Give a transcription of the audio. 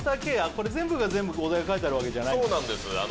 これ全部が全部お題書いてあるわけじゃないそうなんです